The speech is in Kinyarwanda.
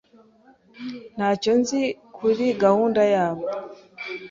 Ntacyo nzi kuri gahunda yabo.